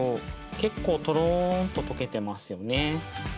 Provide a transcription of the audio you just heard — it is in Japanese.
結構とろんと溶けてますよね。